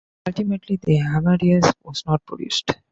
Ultimately the "Amadeus" was not produced.